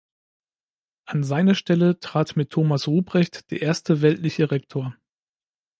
An seine Stelle trat mit Thomas Ruprecht der erste weltliche Rektor.